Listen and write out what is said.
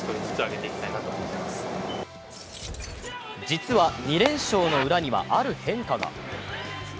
実は２連勝の裏にはある変化が。